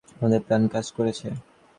আমাদের প্ল্যান কাজ করেছে!